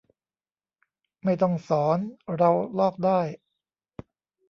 ไม่ต้องสอนเราลอกได้